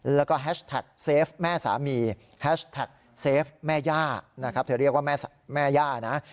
แล้วก็แฮชแท็กเซฟแม่สามีแฮชแท็กเซฟแม่ย่านะครับเธอเรียกว่าแม่ย่านะ